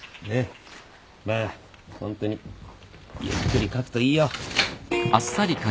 まあホントにゆっくり書くといいよ。